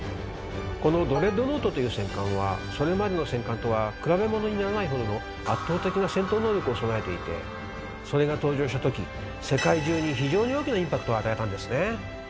このドレッドノートという戦艦はそれまでの戦艦とは比べものにならないほどの圧倒的な戦闘能力を備えていてそれが登場したとき世界中に非常に大きなインパクトを与えたんですね。